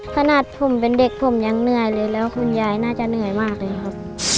ขนาดผมเป็นเด็กผมยังเหนื่อยเลยแล้วคุณยายน่าจะเหนื่อยมากเลยครับ